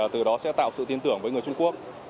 từ đó sẽ tạo sự tin tưởng với người trung quốc